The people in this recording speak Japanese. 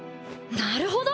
なるほど！